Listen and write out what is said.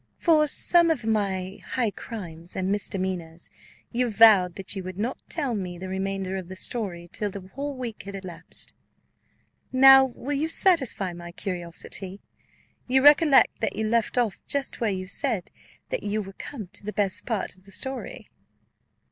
"For some of my high crimes and misdemeanours, you vowed that you would not tell me the remainder of the story till the whole week had elapsed; now will you satisfy my curiosity? You recollect that you left off just where you said that you were come to the best part of the story."